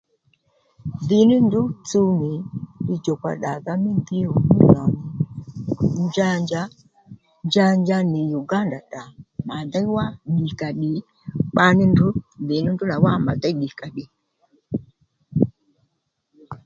Dhì ní ndrǔ tsuw nì li djùkpa ddàdha mí dhǐy ò mó lò nì njanja njanja nì Uganda tdrà mà déy wá ddìkàddì kpaní ndrǔ dhì ní ndrǔ nà wá mà déy ddìkàddì